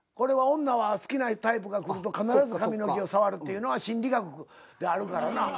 女は好きなタイプが来ると必ず髪の毛を触るっていうのは心理学であるからな。